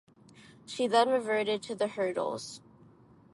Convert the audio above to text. She then reverted to the hurdles.